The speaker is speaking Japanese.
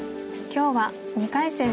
今日は２回戦